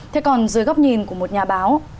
thế còn dưới góc nhìn của một nhà báo